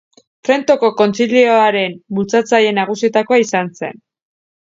Trentoko Kontzilioaren bultzatzaile nagusietakoa izan zen.